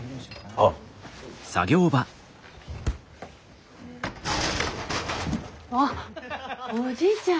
ああおじいちゃん